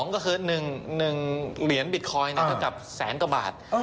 ๑๐๒๐๐๐ก็คือ๑เหรียญบิตคอยน์แทนกับแสนกว่าบาท